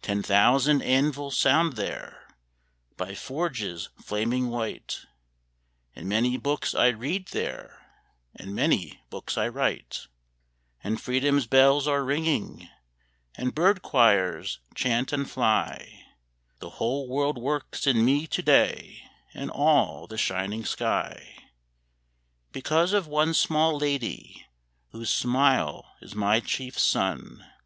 Ten thousand anvils sound there By forges flaming white, And many books I read there, And many books I write; And freedom's bells are ringing, And bird choirs chant and fly The whole world works in me to day And all the shining sky, Because of one small lady Whose smile is my chief sun.